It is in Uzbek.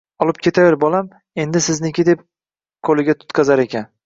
Olib ketavering, bolam endi sizniki, deb qo‘liga tutqazar ekan